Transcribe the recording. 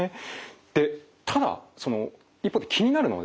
でただ一方で気になるのはですよ